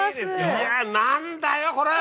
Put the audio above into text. いや何だよこれ！